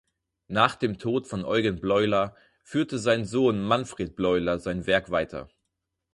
Nach dem Tod von Eugen Bleuler führte sein Sohn Manfred Bleuler sein Werk weiter.